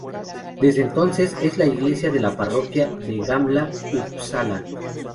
Desde entonces, es la iglesia de la parroquia de Gamla Uppsala.